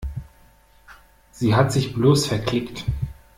Sie hat sich bloß verklickt.